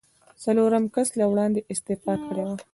څلورم کس له وړاندې استعفا کړې وه.